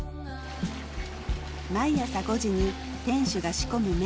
毎朝５時に店主が仕込む麺。